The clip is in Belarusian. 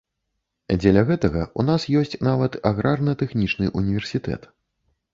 Дзеля гэтага ў нас ёсць нават аграрна-тэхнічны ўніверсітэт.